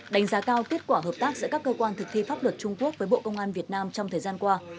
đánh giá cao kết quả hợp tác giữa các cơ quan thực thi pháp luật trung quốc với bộ công an việt nam trong thời gian qua